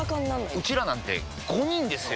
ウチらなんて５人ですよ！